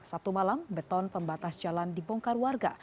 sabtu malam beton pembatas jalan dibongkar warga